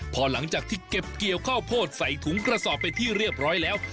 พอหลังจากที่เก็บเกี่ยวข้าวโพดใส่ถุงกระสอบไปที่เรียบร้อยแล้ว